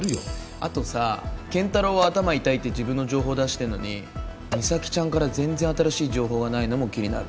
あとさ健太郎は頭痛いって自分の情報出してんのに美咲ちゃんから全然新しい情報がないのも気になる。